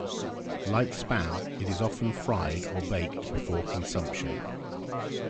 Like Spam, it is often fried or baked before consumption.